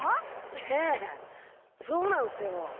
ええそうなんすよ。